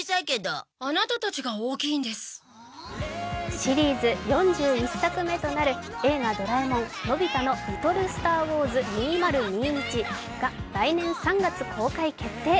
シリーズ４１作目となる「映画ドラえもんのび太の宇宙小戦争２０２１」が来年３月公開決定。